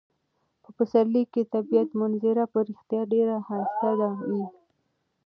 په پسرلي کې د طبیعت منظره په رښتیا ډیره ښایسته وي.